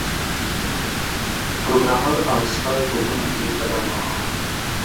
پروګرامر او سپی په خونه کې قدم واهه